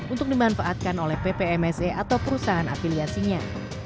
untuk dimanfaatkan oleh ppmse atau perusahaan afiliasinya